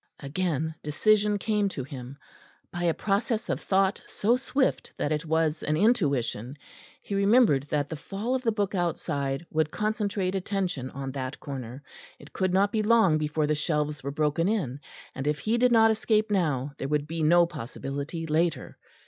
Again decision came to him; by a process of thought so swift that it was an intuition, he remembered that the fall of the book outside would concentrate attention on that corner; it could not be long before the shelves were broken in, and if he did not escape now there would be no possibility later.